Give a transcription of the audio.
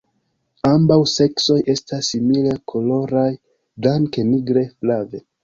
Ambaŭ seksoj estas simile koloraj, blanke, nigre, flave.